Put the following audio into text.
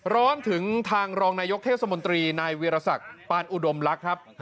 ล้อมถึงทางรองนายกเทศบันตรีณวิรสักต์ปานอุดมรักษ์ครับ